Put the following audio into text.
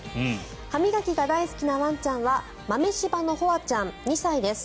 歯磨きが大好きなワンちゃんは豆柴のほあちゃん２歳です。